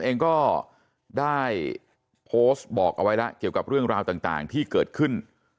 เองก็ได้โพสต์บอกเอาไว้แล้วเกี่ยวกับเรื่องราวต่างที่เกิดขึ้น